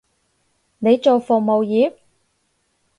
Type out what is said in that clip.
你做服務業？